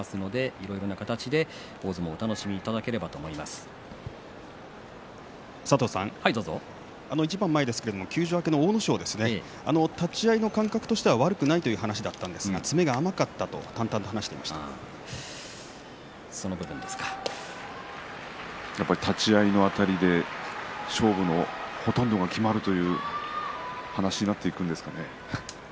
いろいろな形で大相撲を一番前ですけれども休場明けの阿武咲立ち合いの感覚としては悪くないという話だったんですが詰めが甘かったとやはり立ち合いのあたりで勝負のほとんどが決まるという話になっていくんですかね。